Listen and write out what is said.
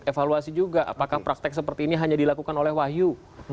evaluasi juga apakah praktek seperti ini hanya dilakukan oleh wahyu